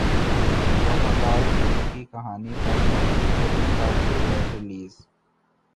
وفادار کتے کی کہانی پر مبنی فلم کا ٹریلر ریلیز